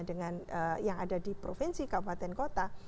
dengan yang ada di provinsi kabupaten kota